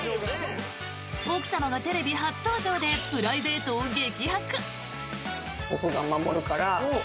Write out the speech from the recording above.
奥様がテレビ初登場でプライベートを激白！